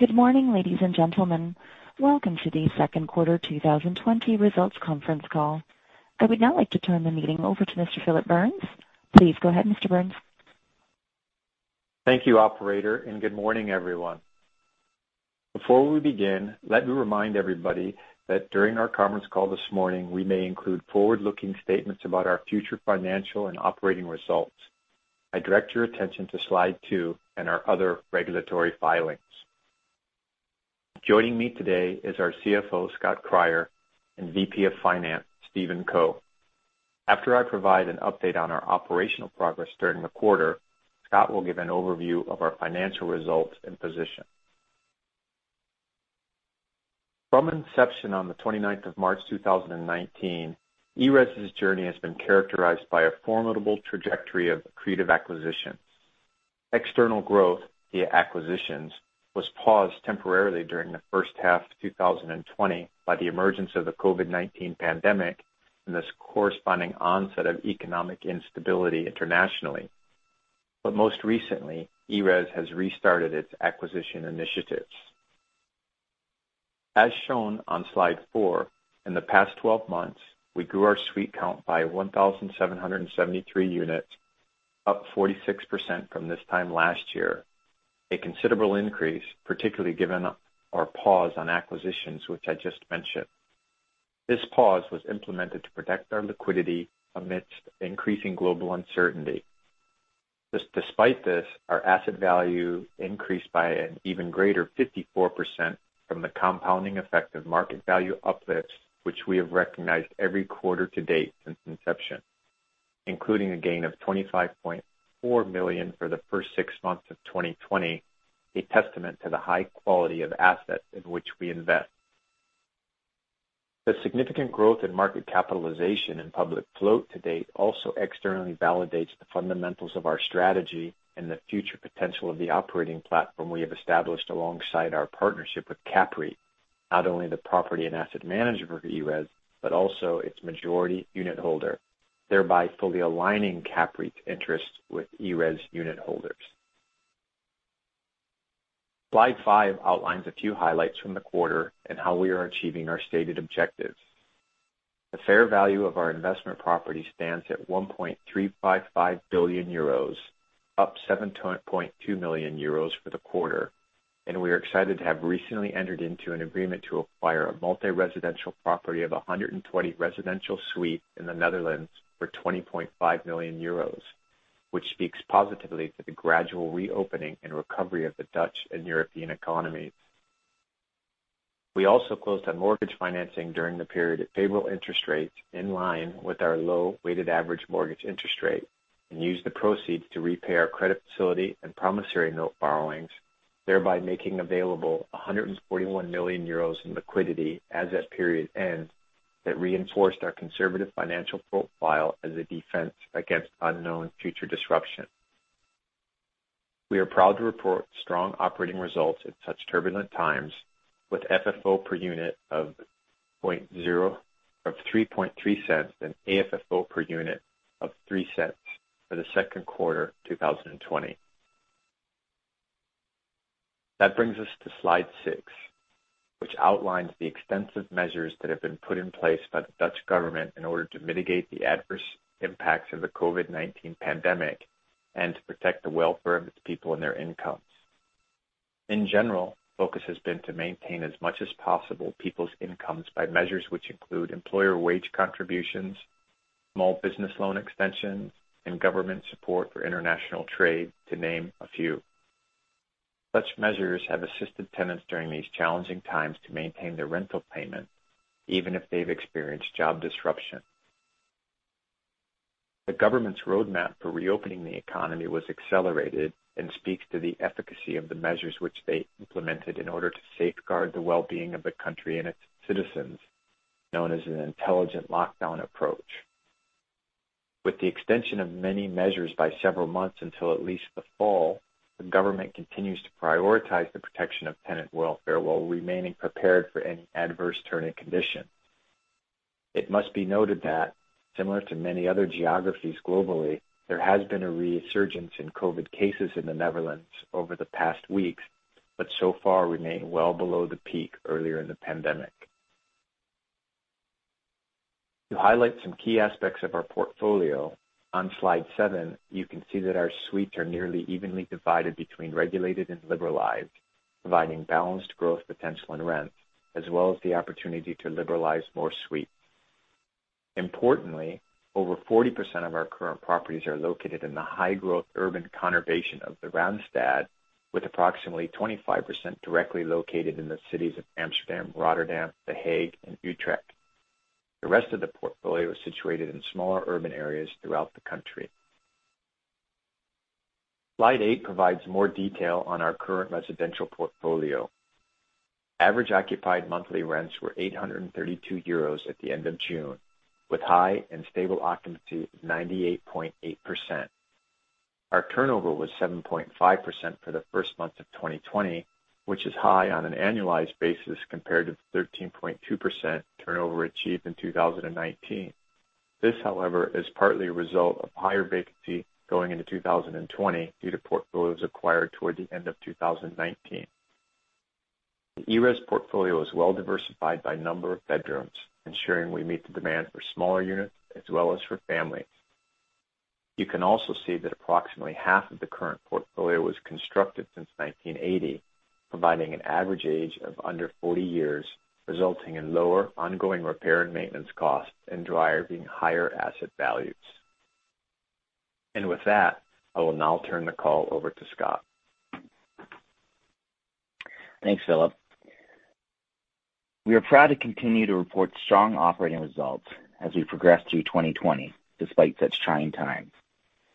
Good morning, ladies and gentlemen. Welcome to the Second Quarter 2020 Results Conference Call. I would now like to turn the meeting over to Mr. Phillip Burns. Please go ahead, Mr. Burns. Thank you, operator, and good morning, everyone. Before we begin, let me remind everybody that during our conference call this morning, we may include forward-looking statements about our future financial and operating results. I direct your attention to slide two and our other regulatory filings. Joining me today is our CFO, Scott Cryer, and VP of Finance, Stephen Coe. After I provide an update on our operational progress during the quarter, Scott will give an overview of our financial results and position. From inception on the 29th of March 2019, ERES' journey has been characterized by a formidable trajectory of accretive acquisition. External growth via acquisitions was paused temporarily during the first half of 2020 by the emergence of the COVID-19 pandemic and the corresponding onset of economic instability internationally. Most recently, ERES has restarted its acquisition initiatives. As shown on slide four, in the past 12 months, we grew our suite count by 1,773 units, up 46% from this time last year, a considerable increase, particularly given our pause on acquisitions, which I just mentioned. This pause was implemented to protect our liquidity amidst increasing global uncertainty. Despite this, our asset value increased by an even greater 54% from the compounding effect of market value uplifts, which we have recognized every quarter to date since inception, including a gain of 25.4 million for the first six months of 2020, a testament to the high quality of assets in which we invest. The significant growth in market capitalization and public float to date also externally validates the fundamentals of our strategy and the future potential of the operating platform we have established alongside our partnership with CAPREIT, not only the property and asset manager for ERES, but also its majority unitholder, thereby fully aligning CAPREIT's interests with ERES unitholders. Slide five outlines a few highlights from the quarter and how we are achieving our stated objectives. The fair value of our investment property stands at 1.355 billion euros, up 7.2 million euros for the quarter. We are excited to have recently entered into an agreement to acquire a multi-residential property of 120 residential suites in the Netherlands for 20.5 million euros, which speaks positively to the gradual reopening and recovery of the Dutch and European economies. We also closed on mortgage financing during the period at favorable interest rates in line with our low weighted average mortgage interest rate and used the proceeds to repay our credit facility and promissory note borrowings, thereby making available 141 million euros in liquidity as at period end that reinforced our conservative financial profile as a defense against unknown future disruption. We are proud to report strong operating results at such turbulent times with FFO per unit of 0.033 and AFFO per unit of 0.03 for the second quarter 2020. That brings us to slide six, which outlines the extensive measures that have been put in place by the Dutch government in order to mitigate the adverse impacts of the COVID-19 pandemic and to protect the welfare of its people and their incomes. In general, focus has been to maintain as much as possible people's incomes by measures which include employer wage contributions, small business loan extension, and government support for international trade, to name a few. Such measures have assisted tenants during these challenging times to maintain their rental payments, even if they've experienced job disruption. The government's roadmap for reopening the economy was accelerated and speaks to the efficacy of the measures which they implemented in order to safeguard the well-being of the country and its citizens, known as an intelligent lockdown approach. With the extension of many measures by several months until at least the fall, the government continues to prioritize the protection of tenant welfare while remaining prepared for any adverse turn in condition. It must be noted that similar to many other geographies globally, there has been a resurgence in COVID cases in the Netherlands over the past weeks, but so far remain well below the peak earlier in the pandemic. To highlight some key aspects of our portfolio, on slide seven, you can see that our suites are nearly evenly divided between regulated and liberalized, providing balanced growth potential and rents, as well as the opportunity to liberalize more suites. Importantly, over 40% of our current properties are located in the high growth urban conurbation of the Randstad, with approximately 25% directly located in the cities of Amsterdam, Rotterdam, The Hague, and Utrecht. The rest of the portfolio is situated in smaller urban areas throughout the country. Slide eight provides more detail on our current residential portfolio. Average occupied monthly rents were 832 euros at the end of June, with high and stable occupancy of 98.8%. Our turnover was 7.5% for the first month of 2020, which is high on an annualized basis compared to the 13.2% turnover achieved in 2019. This, however, is partly a result of higher vacancy going into 2020 due to portfolios acquired toward the end of 2019. The ERES portfolio is well diversified by number of bedrooms, ensuring we meet the demand for smaller units as well as for families. You can also see that approximately half of the current portfolio was constructed since 1980, providing an average age of under 40 years, resulting in lower ongoing repair and maintenance costs and driving higher asset values. With that, I will now turn the call over to Scott. Thanks, Phillip. We are proud to continue to report strong operating results as we progress through 2020, despite such trying times,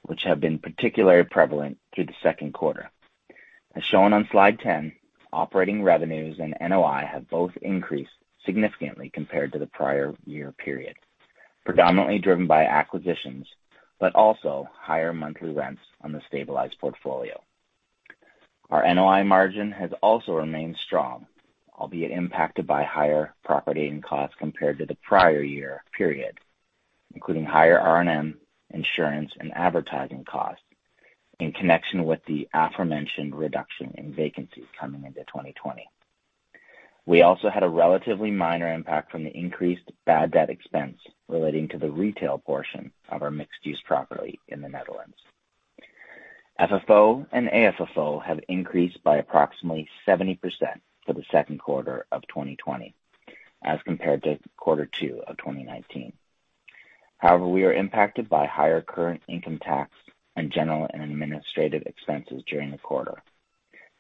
which have been particularly prevalent through the second quarter. As shown on slide 10, operating revenues and NOI have both increased significantly compared to the prior year period, predominantly driven by acquisitions, but also higher monthly rents on the stabilized portfolio. Our NOI margin has also remained strong, albeit impacted by higher property and costs compared to the prior year period, including higher R&M, insurance, and advertising costs in connection with the aforementioned reduction in vacancy coming into 2020. We also had a relatively minor impact from the increased bad debt expense relating to the retail portion of our mixed-use property in the Netherlands. FFO and AFFO have increased by approximately 70% for the second quarter of 2020 as compared to quarter two of 2019. However, we are impacted by higher current income tax and general and administrative expenses during the quarter.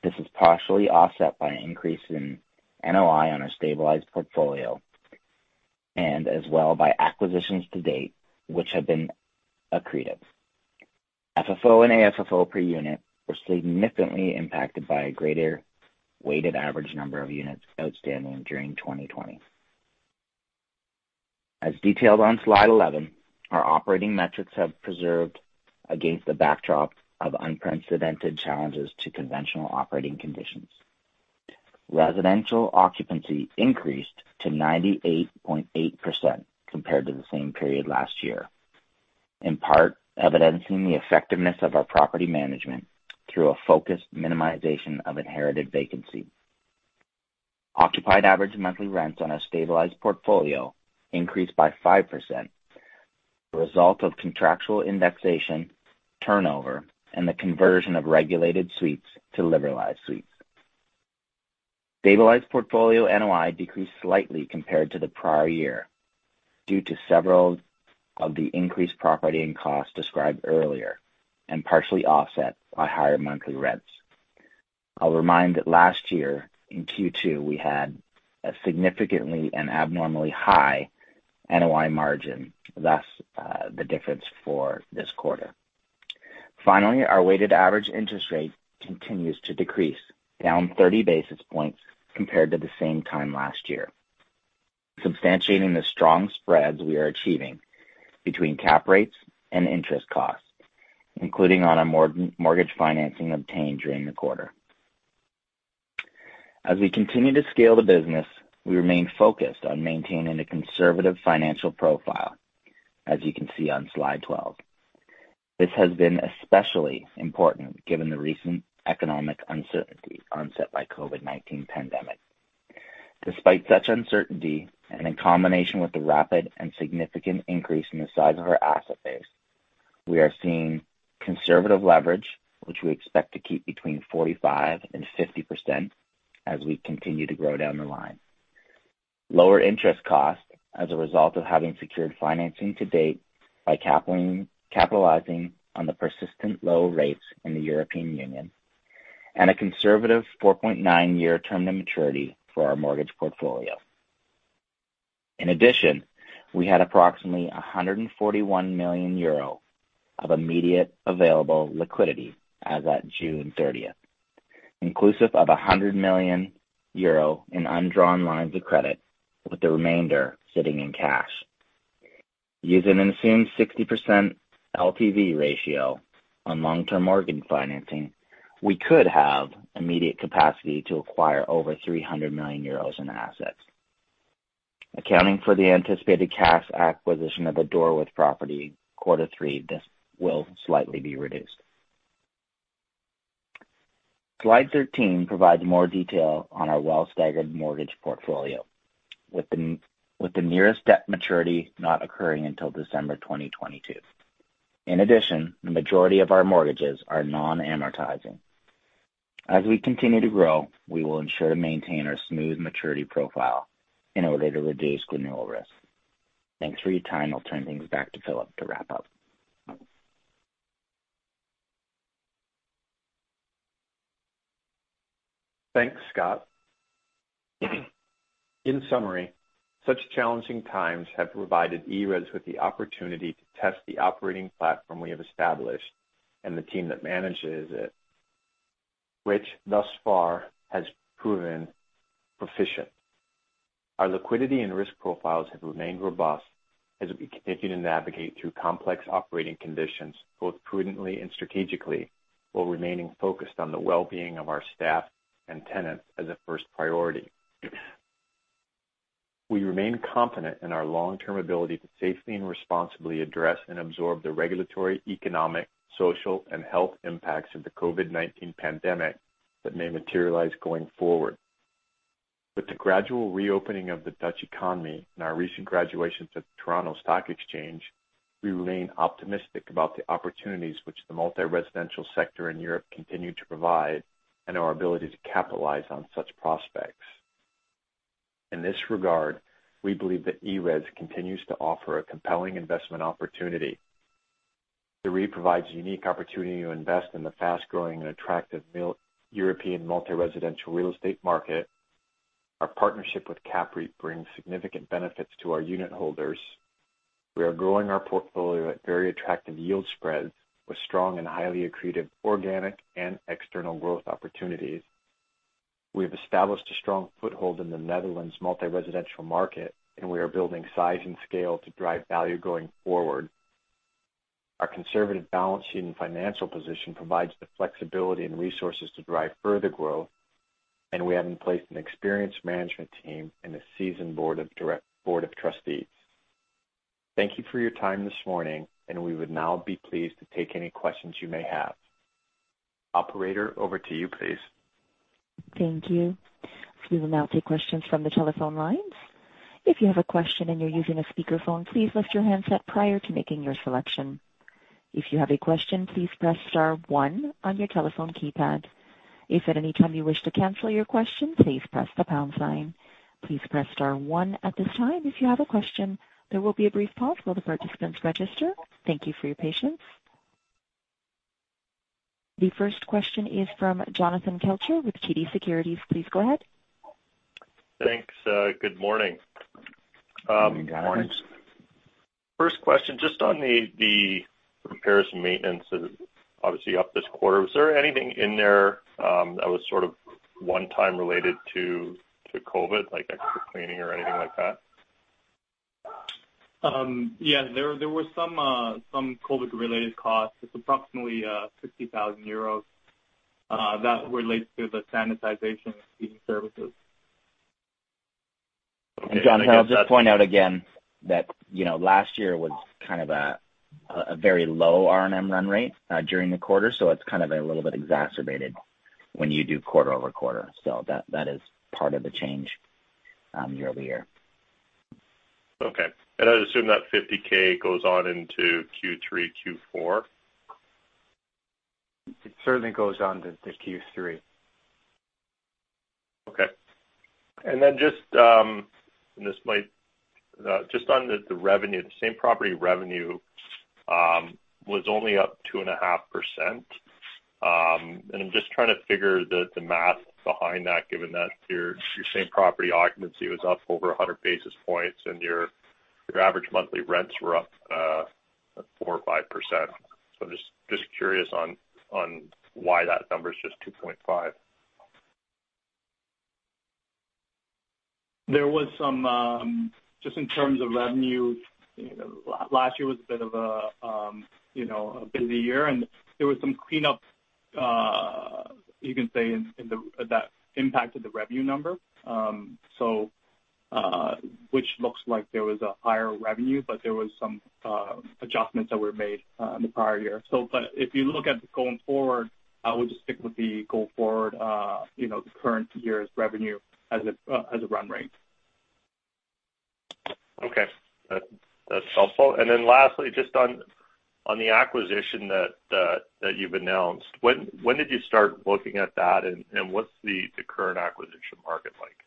This is partially offset by an increase in NOI on our stabilized portfolio, and as well by acquisitions to date, which have been accretive. FFO and AFFO per unit were significantly impacted by a greater weighted average number of units outstanding during 2020. As detailed on slide 11, our operating metrics have preserved against the backdrop of unprecedented challenges to conventional operating conditions. Residential occupancy increased to 98.8% compared to the same period last year, in part evidencing the effectiveness of our property management through a focused minimization of inherited vacancy. Occupied average monthly rents on our stabilized portfolio increased by 5%, the result of contractual indexation, turnover, and the conversion of regulated suites to liberalized suites. Stabilized portfolio NOI decreased slightly compared to the prior year due to several of the increased property and costs described earlier and partially offset by higher monthly rents. I'll remind that last year in Q2, we had a significantly and abnormally high NOI margin, thus the difference for this quarter. Finally, our weighted average interest rate continues to decrease, down 30 basis points compared to the same time last year, substantiating the strong spreads we are achieving between cap rates and interest costs, including on our mortgage financing obtained during the quarter. As we continue to scale the business, we remain focused on maintaining a conservative financial profile, as you can see on slide 12. This has been especially important given the recent economic uncertainty onset by COVID-19 pandemic. Despite such uncertainty and in combination with the rapid and significant increase in the size of our asset base, we are seeing conservative leverage, which we expect to keep between 45% and 50% as we continue to grow down the line. Lower interest costs as a result of having secured financing to date by capitalizing on the persistent low rates in the European Union and a conservative 4.9 year term to maturity for our mortgage portfolio. In addition, we had approximately 141 million euro of immediate available liquidity as at June 30th, inclusive of 100 million euro in undrawn lines of credit, with the remainder sitting in cash. Using an assumed 60% LTV ratio on long-term mortgage financing, we could have immediate capacity to acquire over 300 million euros in assets. Accounting for the anticipated cash acquisition of the Doorwerth property quarter three, this will slightly be reduced. Slide 13 provides more detail on our well-staggered mortgage portfolio with the nearest debt maturity not occurring until December 2022. In addition, the majority of our mortgages are non-amortizing. As we continue to grow, we will ensure to maintain our smooth maturity profile in order to reduce granular risk. Thanks for your time. I'll turn things back to Phillip to wrap up. Thanks, Scott. In summary, such challenging times have provided ERES with the opportunity to test the operating platform we have established and the team that manages it, which thus far has proven proficient. Our liquidity and risk profiles have remained robust as we continue to navigate through complex operating conditions, both prudently and strategically. While remaining focused on the well-being of our staff and tenants as a first priority. We remain confident in our long-term ability to safely and responsibly address and absorb the regulatory, economic, social, and health impacts of the COVID-19 pandemic that may materialize going forward. With the gradual reopening of the Dutch economy and our recent graduation to the Toronto Stock Exchange, we remain optimistic about the opportunities which the multi-residential sector in Europe continue to provide, and our ability to capitalize on such prospects. In this regard, we believe that ERES continues to offer a compelling investment opportunity. The REIT provides a unique opportunity to invest in the fast-growing and attractive European multi-residential real estate market. Our partnership with CAPREIT brings significant benefits to our unit holders. We are growing our portfolio at very attractive yield spreads, with strong and highly accretive organic and external growth opportunities. We have established a strong foothold in the Netherlands multi-residential market, and we are building size and scale to drive value going forward. Our conservative balance sheet and financial position provides the flexibility and resources to drive further growth, and we have in place an experienced management team and a seasoned board of trustees. Thank you for your time this morning, and we would now be pleased to take any questions you may have. Operator, over to you, please. Thank you. We will now take questions from the telephone lines. If you have a question and you're using a speakerphone, please lift your handset prior to making your selection. If you have a question, please press star one on your telephone keypad. If at any time you wish to cancel your question, please press the pound sign. Please press star one at this time if you have a question. There will be a brief pause while the participants register. Thank you for your patience. The first question is from Jonathan Kelcher with TD Securities. Please go ahead. Thanks. Good morning. Good morning. First question, just on the repairs and maintenance that is obviously up this quarter. Was there anything in there that was sort of one time related to COVID, like extra cleaning or anything like that? Yes, there were some COVID related costs. It's approximately 50,000 euros. That relates to the sanitization cleaning services. Jonathan, I'll just point out again that last year was kind of a very low R&M run rate during the quarter. It's kind of a little bit exacerbated when you do quarter-over-quarter. That is part of the change year-over-year. Okay. I'd assume that 50,000 goes on into Q3, Q4? It certainly goes on to Q3. Okay. Just on the revenue, the same property revenue was only up 2.5%. I'm just trying to figure the math behind that, given that your same property occupancy was up over 100 basis points and your average monthly rents were up 4% or 5%. I'm just curious on why that number is just 2.5%. Just in terms of revenue, last year was a bit of a busy year, and there was some cleanup, you can say, and that impacted the revenue number. Which looks like there was a higher revenue, but there was some adjustments that were made in the prior year. If you look at going forward, I would just stick with the go forward current year's revenue as a run rate. Okay. That's helpful. Lastly, just on the acquisition that you've announced, when did you start looking at that, and what's the current acquisition market like?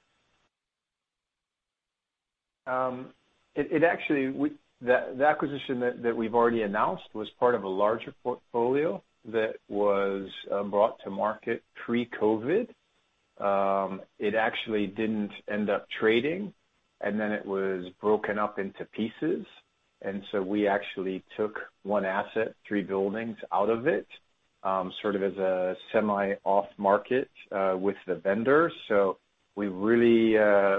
The acquisition that we've already announced was part of a larger portfolio that was brought to market pre-COVID. It actually didn't end up trading, and then it was broken up into pieces. We actually took one asset, three buildings out of it, sort of as a semi off market with the vendor. We really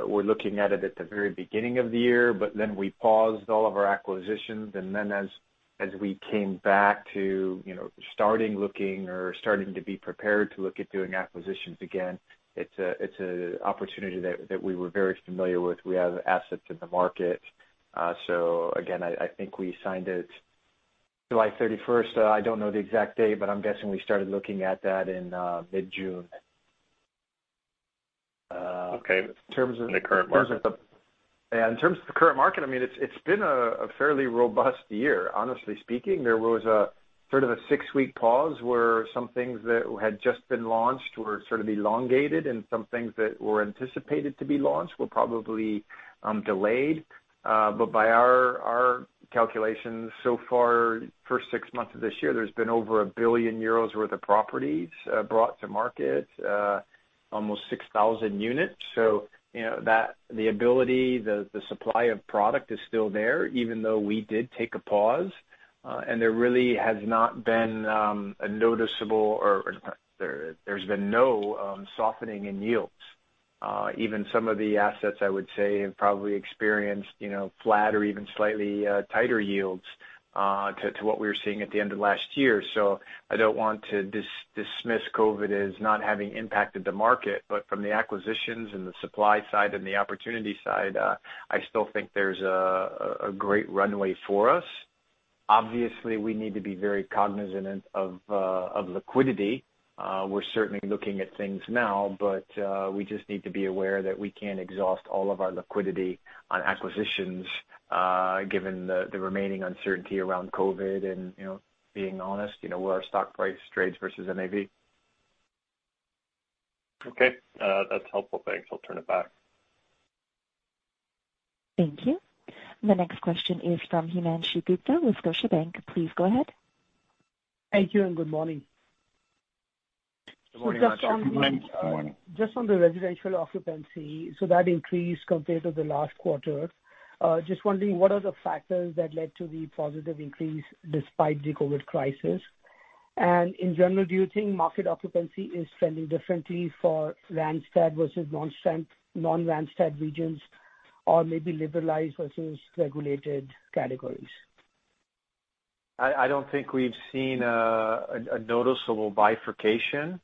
were looking at it at the very beginning of the year, but then we paused all of our acquisitions, and then as we came back to starting looking or starting to be prepared to look at doing acquisitions again, it's an opportunity that we were very familiar with. We have assets in the market. Again, I think we signed it July 31st. I don't know the exact date, but I'm guessing we started looking at that in mid-June. Okay. In the current market. In terms of the current market, it's been a fairly robust year. Honestly speaking, there was a sort of a six-week pause where some things that had just been launched were sort of elongated, and some things that were anticipated to be launched were probably delayed. By our calculations, so far, first six months of this year, there's been over 1 billion euros worth of properties brought to market, almost 6,000 units. There really has not been a noticeable, or there's been no softening in yields. Even some of the assets, I would say, have probably experienced flat or even slightly tighter yields to what we were seeing at the end of last year. I don't want to dismiss COVID as not having impacted the market, but from the acquisitions and the supply side and the opportunity side, I still think there's a great runway for us. Obviously, we need to be very cognizant of liquidity. We're certainly looking at things now, but we just need to be aware that we can't exhaust all of our liquidity on acquisitions given the remaining uncertainty around COVID and being honest, where our stock price trades versus NAV. Okay. That's helpful. Thanks. I'll turn it back. Thank you. The next question is from Himanshu Gupta with Scotiabank. Please go ahead. Thank you, good morning. Good morning, Himanshu. Good morning. Just on the residential occupancy, so that increase compared to the last quarter. Just wondering, what are the factors that led to the positive increase despite the COVID crisis? In general, do you think market occupancy is trending differently for Randstad versus non-Randstad regions, or maybe liberalized versus regulated categories? I don't think we've seen a noticeable bifurcation.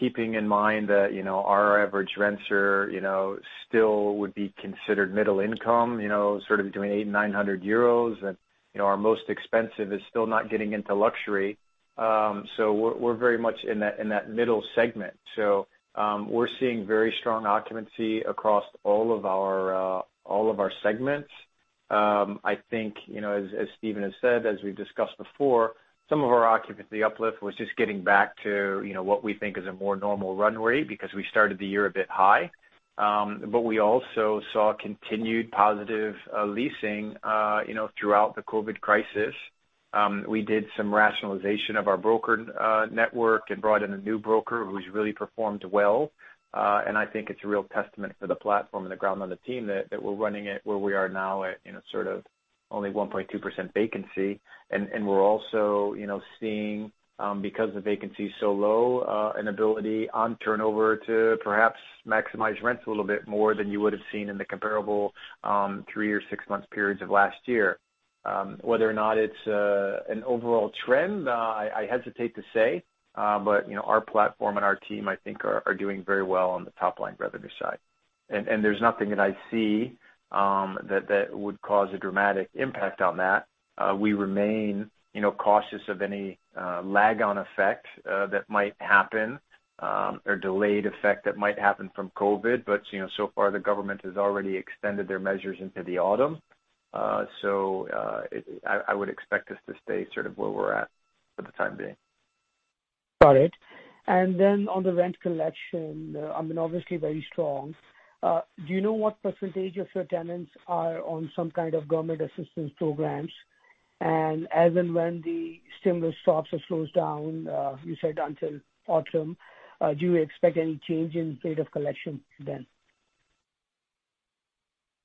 Keeping in mind that our average renter still would be considered middle income, sort of between 800 euros and 900 euros. Our most expensive is still not getting into luxury. We're very much in that middle segment. We're seeing very strong occupancy across all of our segments. I think as Stephen has said, as we've discussed before, some of our occupancy uplift was just getting back to what we think is a more normal run rate because we started the year a bit high. We also saw continued positive leasing throughout the COVID crisis. We did some rationalization of our broker network and brought in a new broker who's really performed well. I think it's a real testament to the platform and the ground on the team that we're running it where we are now at sort of only 1.2% vacancy. We're also seeing, because the vacancy is so low, an ability on turnover to perhaps maximize rents a little bit more than you would have seen in the comparable three or six month periods of last year. Whether or not it's an overall trend, I hesitate to say. Our platform and our team, I think, are doing very well on the top line revenue side. There's nothing that I see that would cause a dramatic impact on that. We remain cautious of any lag on effect that might happen or delayed effect that might happen from COVID. So far, the government has already extended their measures into the autumn. I would expect us to stay sort of where we're at for the time being. Got it. On the rent collection, I mean, obviously very strong. Do you know what the percentage of your tenants are on some kind of government assistance programs? As and when the stimulus stops or slows down, you said until autumn, do you expect any change in rate of collection then?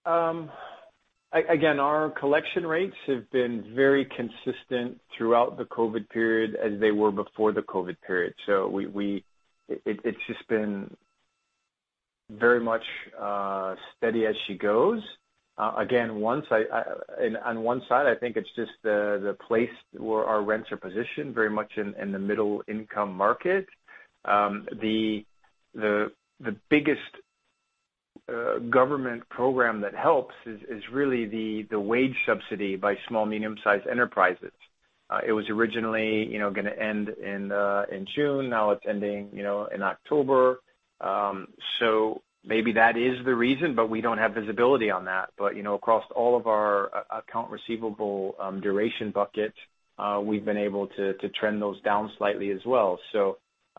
Our collection rates have been very consistent throughout the COVID period as they were before the COVID period. It's just been very much steady as she goes. On one side, I think it's just the place where our rents are positioned very much in the middle income market. The biggest government program that helps is really the wage subsidy by small medium sized enterprises. It was originally going to end in June, now it's ending in October. Maybe that is the reason, we don't have visibility on that. Across all of our account receivable duration bucket, we've been able to trend those down slightly as well.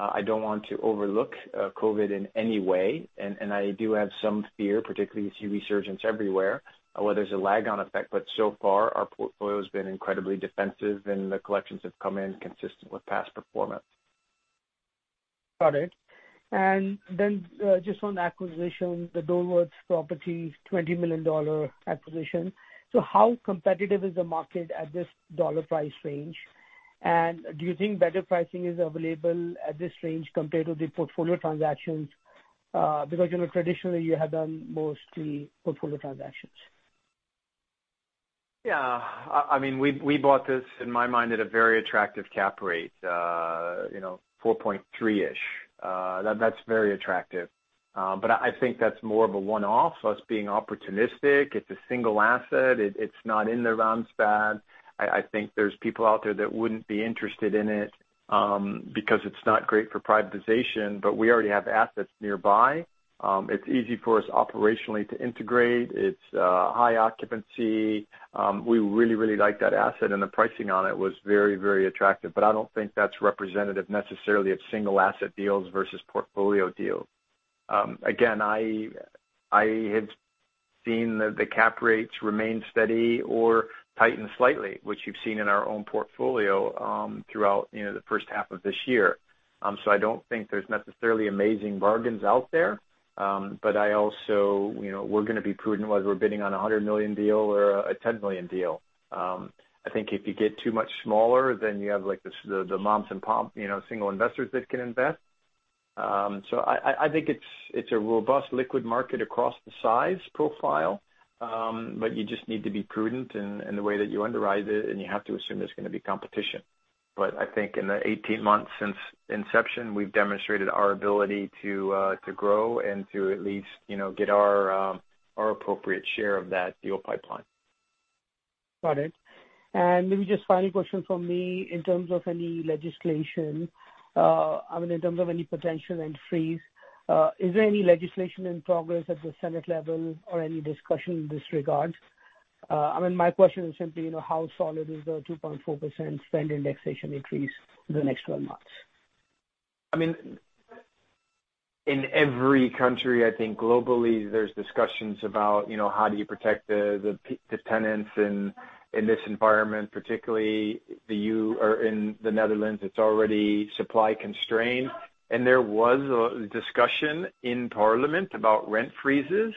I don't want to overlook COVID in any way. I do have some fear, particularly you see resurgence everywhere, whether there's a lag on effect, but so far our portfolio has been incredibly defensive and the collections have come in consistent with past performance. Got it. Just on acquisition, the Doorwerth property, EUR 20 million acquisition. How competitive is the market at this price range? Do you think better pricing is available at this range compared to the portfolio transactions? Traditionally you have done mostly portfolio transactions. Yeah. We bought this, in my mind, at a very attractive cap rate, 4.3-ish. That's very attractive. I think that's more of a one-off. It's being opportunistic. It's a single asset. It's not in the Randstad. I think there's people out there that wouldn't be interested in it because it's not great for privatization, but we already have assets nearby. It's easy for us operationally to integrate. It's high occupancy. We really like that asset, and the pricing on it was very attractive. I don't think that's representative necessarily of single asset deals versus portfolio deals. Again, I had seen the cap rates remain steady or tighten slightly, which you've seen in our own portfolio throughout the first half of this year. I don't think there's necessarily amazing bargains out there. We're going to be prudent whether we're bidding on a 100 million deal or a 10 million deal. I think if you get too much smaller, then you have the moms and pops, single investors that can invest. I think it's a robust liquid market across the size profile, but you just need to be prudent in the way that you underwrite it, and you have to assume there's going to be competition. I think in the 18 months since inception, we've demonstrated our ability to grow and to at least get our appropriate share of that deal pipeline. Got it. Maybe just final question from me in terms of any legislation. I mean, in terms of any potential end freeze. Is there any legislation in progress at the Senate level or any discussion in this regard? My question is simply, how solid is the 2.4% rent indexation increase in the next 12 months? In every country, I think globally, there's discussions about how do you protect the tenants in this environment, particularly in the Netherlands, it's already supply constrained. There was a discussion in parliament about rent freezes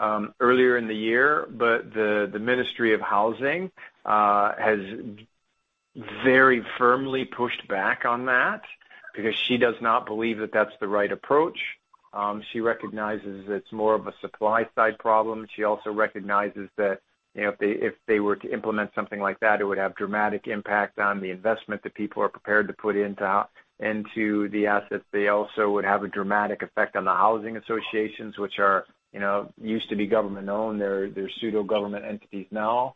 earlier in the year. The Ministry of Housing has very firmly pushed back on that because she does not believe that that's the right approach. She recognizes it's more of a supply side problem. She also recognizes that if they were to implement something like that, it would have dramatic impact on the investment that people are prepared to put into the assets. They also would have a dramatic effect on the housing associations, which used to be government-owned. They're pseudo-government entities now.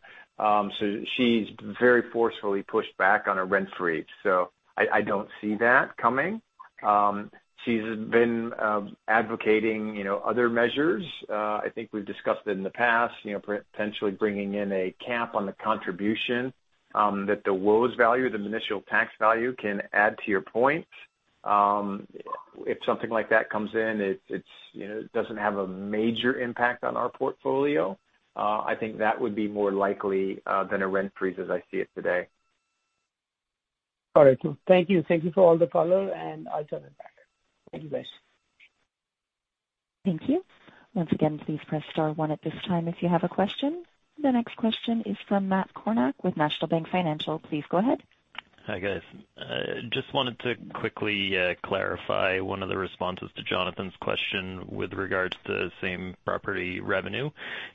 She's very forcefully pushed back on a rent freeze. I don't see that coming. She's been advocating other measures. I think we've discussed it in the past, potentially bringing in a cap on the contribution that the WOZ value, the municipal tax value, can add to your point. If something like that comes in, it doesn't have a major impact on our portfolio. I think that would be more likely than a rent freeze as I see it today. All right, cool. Thank you. Thank you for all the color, and I'll turn it back. Thank you, guys. Thank you. Once again, please press star one at this time if you have a question. The next question is from Matt Kornack with National Bank Financial. Please go ahead. Hi, guys. Just wanted to quickly clarify one of the responses to Jonathan's question with regards to same property revenue.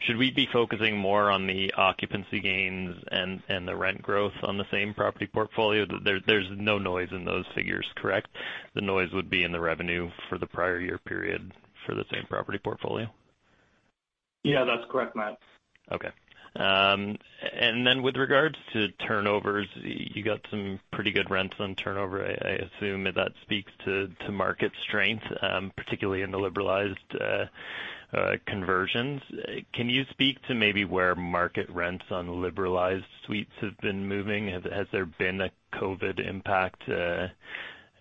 Should we be focusing more on the occupancy gains and the rent growth on the same property portfolio? There's no noise in those figures, correct? The noise would be in the revenue for the prior year period for the same property portfolio. Yeah, that's correct, Matt. Okay. With regards to turnovers, you got some pretty good rents on turnover. I assume that speaks to market strength, particularly in the liberalized conversions. Can you speak to maybe where market rents on liberalized suites have been moving? Has there been a COVID impact?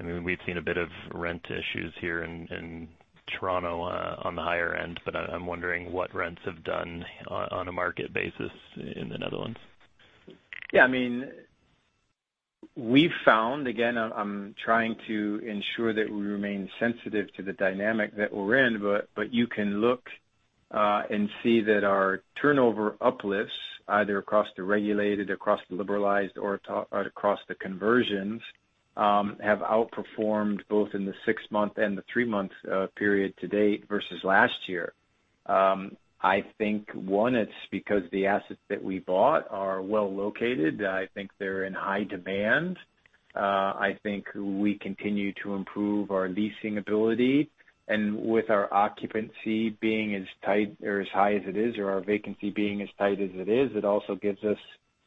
We've seen a bit of rent issues here in Toronto on the higher end, but I'm wondering what rents have done on a market basis in the Netherlands. Yeah. We've found, again, I'm trying to ensure that we remain sensitive to the dynamic that we're in, but you can look and see that our turnover uplifts, either across the regulated, across the liberalized, or across the conversions, have outperformed both in the six month and the three month period to date versus last year. I think, one, it's because the assets that we bought are well located. I think they're in high demand. I think we continue to improve our leasing ability, with our occupancy being as tight or as high as it is, or our vacancy being as tight as it is, it also gives us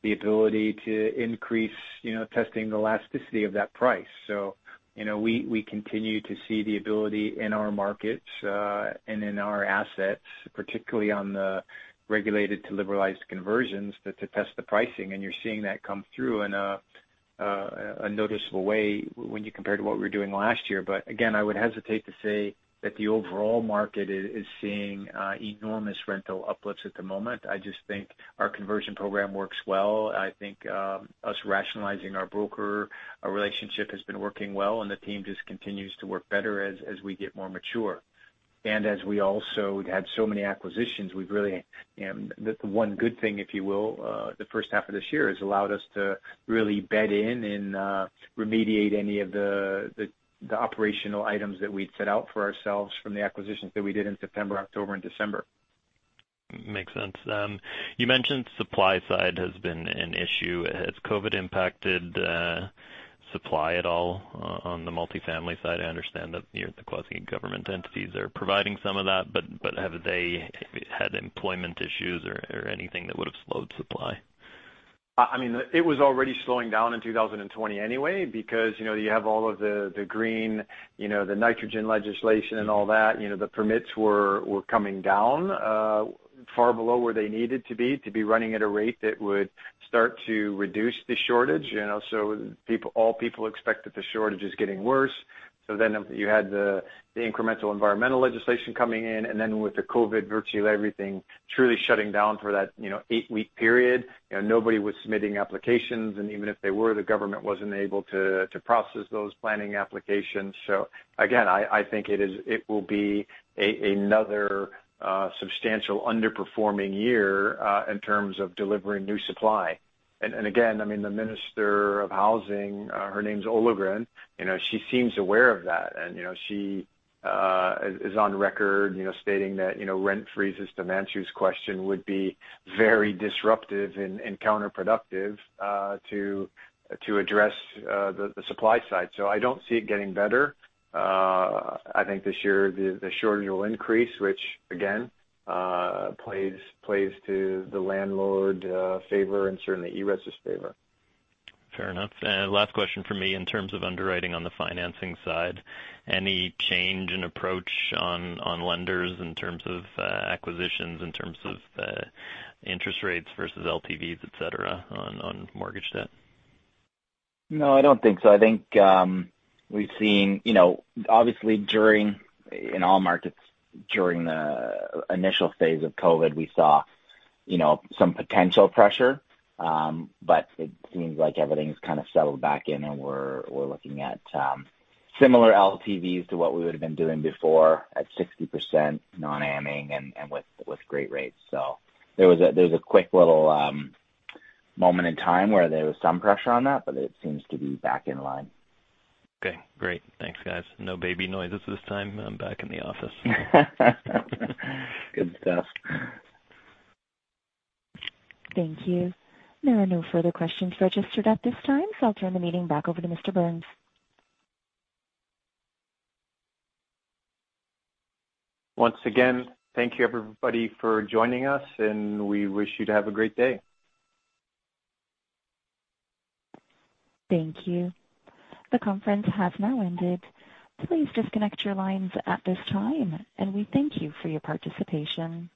the ability to increase testing elasticity of that price. We continue to see the ability in our markets, and in our assets, particularly on the regulated to liberalized conversions, to test the pricing, and you're seeing that come through in a noticeable way when you compare to what we were doing last year. Again, I would hesitate to say that the overall market is seeing enormous rental uplifts at the moment. I just think our conversion program works well. I think us rationalizing our broker relationship has been working well, and the team just continues to work better as we get more mature. As we also have had so many acquisitions, the one good thing, if you will, the first half of this year has allowed us to really bed in and remediate any of the operational items that we'd set out for ourselves from the acquisitions that we did in September, October, and December. Makes sense. You mentioned supply side has been an issue. Has COVID impacted supply at all on the multifamily side? I understand that the quasi-government entities are providing some of that, but have they had employment issues or anything that would've slowed supply? It was already slowing down in 2020 anyway, because you have all of the green, you know the nitrogen legislation and all that. The permits were coming down far below where they needed to be, to be running at a rate that would start to reduce the shortage. All people expect that the shortage is getting worse. You had the incremental environmental legislation coming in, and then with the COVID, virtually everything truly shutting down for that eight-week period. Nobody was submitting applications, and even if they were, the government wasn't able to process those planning applications. Again, I think it will be another substantial underperforming year in terms of delivering new supply. Again, the Minister of Housing, her name is Ollongren. She seems aware of that, and she is on record stating that rent freezes, to Manshu's question, would be very disruptive and counterproductive to address the supply side. I don't see it getting better. I think this year the shortage will increase, which again, plays to the landlord favor and certainly ERES's favor. Fair enough. Last question from me. In terms of underwriting on the financing side, any change in approach on lenders in terms of acquisitions, in terms of interest rates versus LTVs, et cetera, on mortgage debt? No, I don't think so. I think we've seen, obviously in all markets during the initial phase of COVID, we saw you know, some potential pressure. It seems like everything's kind of settled back in, and we're looking at similar LTVs to what we would've been doing before at 60% non-amortizing and with great rates. There was a quick little moment in time where there was some pressure on that, but it seems to be back in line. Okay, great. Thanks guys. No baby noises this time. I'm back in the office. Good stuff. Thank you. There are no further questions registered at this time, I'll turn the meeting back over to Mr. Burns. Once again, thank you everybody for joining us, and we wish you to have a great day. Thank you. The conference has now ended. Please disconnect your lines at this time, and we thank you for your participation.